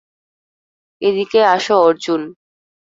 এদিকে আসো, অর্জুন।